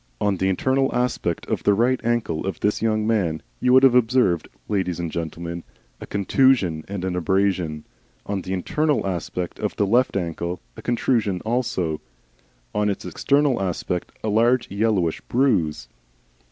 On the internal aspect of the right ankle of this young man you would have observed, ladies and gentlemen, a contusion and an abrasion; on the internal aspect of the left ankle a contusion also; on its external aspect a large yellowish bruise.